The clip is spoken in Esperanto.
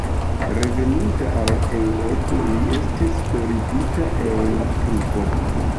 Reveninta al Eŭropo li estis forigita el la trupo.